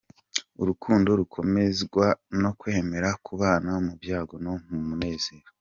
Urukundo rukomezwa no kwemera kubana mu byago no mu munezero.